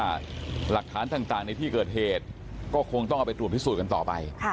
หลักฐานต่างในที่เกิดเหตุก็คงต้องเอาไปตรวจพิสูจน์กันต่อไป